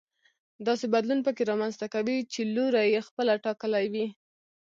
داسې بدلون پکې رامنځته کوي چې لوری يې خپله ټاکلی وي.